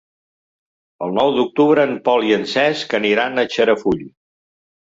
El nou d'octubre en Pol i en Cesc aniran a Xarafull.